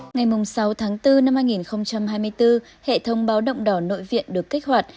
ngày sáu tháng bốn năm hai nghìn hai mươi bốn hệ thống báo động đỏ nội viện được kích hoạt